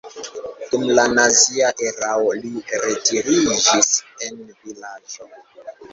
Dum la nazia erao li retiriĝis en vilaĝo.